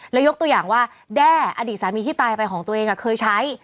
แล้วยกตัวอย่างว่าแด้อดีตสามีที่ตายไปของตัวเองเคยใช้